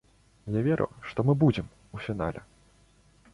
Я веру, што мы будзем у фінале.